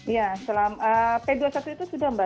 ya p dua puluh satu itu sudah mbak